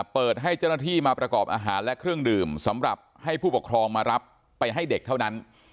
เปิดให้เจ้าหน้าที่มาประกอบอาหารและเครื่องดื่มสำหรับให้ผู้ปกครองมารับไปให้เด็กเท่านั้น